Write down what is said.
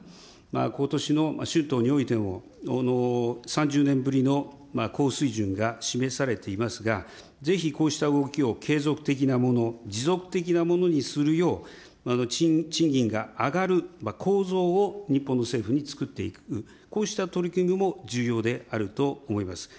ことしの春闘においても、３０年ぶりの高水準が示されていますが、ぜひ、こうした動きを継続的なもの、持続的なものにするよう、賃金が上がる構造を日本の政府に作っていく、こうした取り組みも重要であると思います。